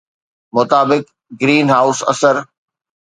مطابق، green house اثر